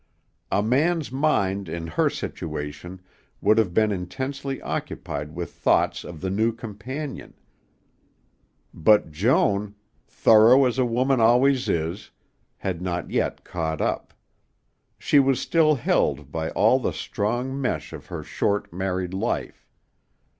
A man's mind in her situation would have been intensely occupied with thoughts of the new companion, but Joan, thorough as a woman always is, had not yet caught up. She was still held by all the strong mesh of her short married life.